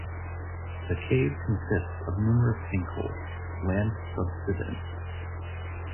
The cave consists of numerous sinkholes (land subsidence).